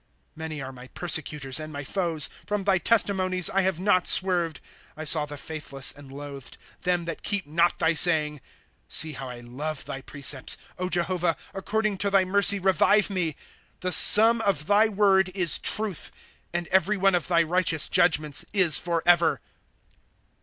' Many are my persecutors and raiy foes ; From thy testimonies I have not swerved. ' I saw the faithless and loathed, Them that keep not thy saying. ' See how 1 love thy precepts ; Jehovah, according to thy mercy revive me. * The sum of thy word is truth ; And every one of thy righteous judgments is forever.